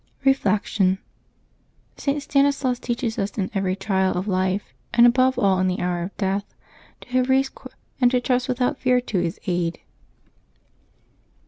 Reflection. — St. Stanislas teaches us in every trial of life, and above all in the hour of death, to have recourse to our patron Saint, and to trust without fear to his aid.